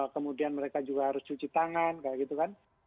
kemudian mereka juga harus cuci tangan